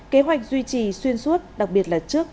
kế hoạch duy trì xuyên suốt đặc biệt là trước